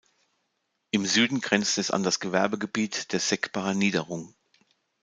Im Süden grenzt es an das Gewerbegebiet der Seckbacher Niederung.